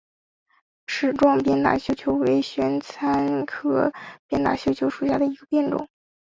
齿状鞭打绣球为玄参科鞭打绣球属下的一个变种。